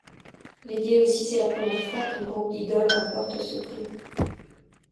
Il est dit aussi c'est la première fois qu'un groupe d'idoles remporte ce prix.